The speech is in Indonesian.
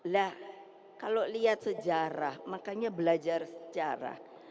lah kalau lihat sejarah makanya belajar sejarah